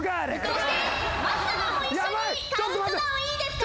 そしてマッサマンも一緒にカウントダウンいいですか？